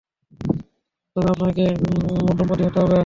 তবে আপনাকে মধ্যমপন্থী হতে হবে।